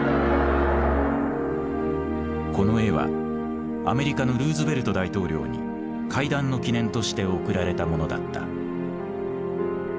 この絵はアメリカのルーズベルト大統領に会談の記念として贈られたものだった。